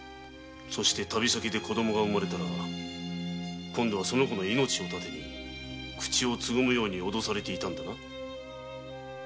そして旅先で子供が生まれたら今度はその子の命を盾に口をつぐむように脅されていたんだな。